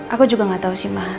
aku juga gak tau sih mah